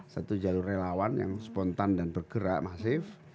satu jalur relawan yang spontan dan bergerak masif